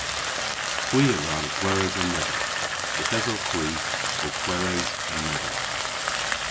Hwi a wra gweres an medhek. Yth esowgh hwi ow kweres an medhek.